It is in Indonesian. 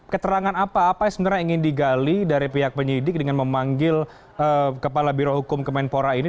keterangan apa apa yang sebenarnya ingin digali dari pihak penyidik dengan memanggil kepala birohukum kemenpora ini